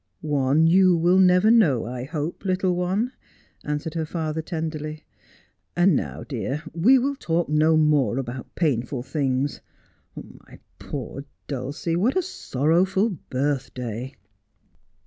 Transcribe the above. ' One you will never know, I hope, little one,' answered her father tenderly. ' And now, dear, we will talk no more about painful things. My poor Dulcie, what a sorrowful birthday